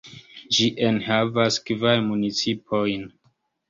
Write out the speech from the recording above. Ĝi enhavas kvar municipojn.